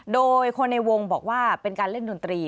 โดยคนในวงบอกว่าเป็นการเล่นดนตรี